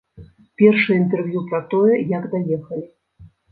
Першае інтэрв'ю пра тое, як даехалі.